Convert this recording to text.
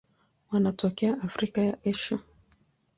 Wanatokea Afrika na Asia.